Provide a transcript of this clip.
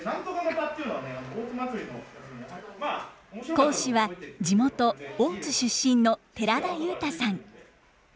講師は地元大津出身の寺田悠太さん。